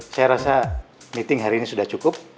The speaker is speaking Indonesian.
saya rasa meeting hari ini sudah cukup